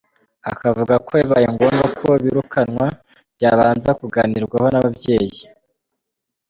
Akavuga ko bibaye ngombwa ko birukanwa byabanza kuganirwaho n’ababyeyi.